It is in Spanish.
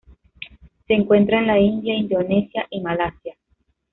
Se encuentra en la India, Indonesia y Malasia.